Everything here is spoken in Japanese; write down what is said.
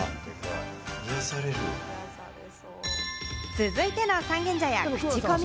続いての三軒茶屋クチコミ